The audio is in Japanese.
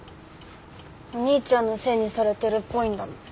お兄ちゃんのせいにされてるっぽいんだもん。